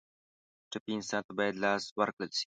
ټپي انسان ته باید لاس ورکړل شي.